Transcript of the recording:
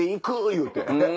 言うて。